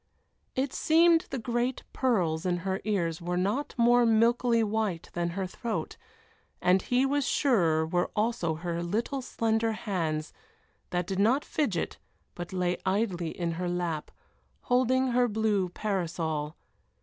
It seemed the great pearls in her ears were not more milkily white than her throat, and he was sure were also her little slender hands, that did not fidget, but lay idly in her lap, holding her blue parasol.